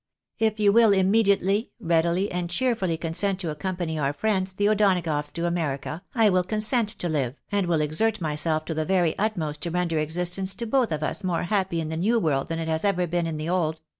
If you will immediately, readily, and cheerfully consent to accompany our friends, the O'Donagoughs, to America, I will consent to live, and will exert myself to the very utmost to render existence to both of us more happy in the new world than it has ever been in the old.